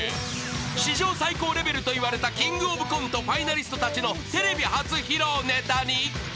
［史上最高レベルといわれたキングオブコントファイナリストたちのテレビ初披露ネタに］